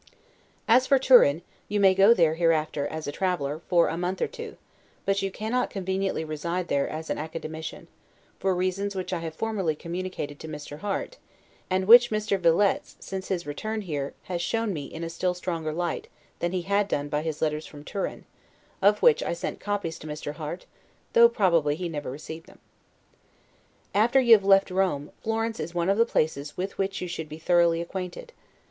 As for Turin, you may go there hereafter, as a traveler, for a month or two; but you cannot conveniently reside there as an academician, for reasons which I have formerly communicated to Mr. Harte, and which Mr. Villettes, since his return here, has shown me in a still stronger light than he had done by his letters from Turin, of which I sent copies to Mr. Harte, though probably he never received them. After you have left Rome, Florence is one of the places with which you should be thoroughly acquainted.